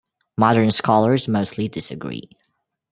Modern scholars mostly disagree.